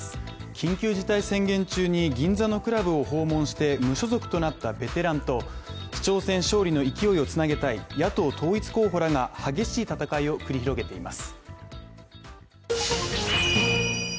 緊急事態宣言中に銀座のクラブを訪問して無所属となったベテランと市長選勝利の勢いをつなげたい野党統一候補らが激しい戦いを繰り広げています。